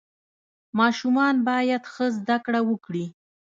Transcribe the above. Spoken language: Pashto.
ماشومان باید ښه زده کړه وکړي.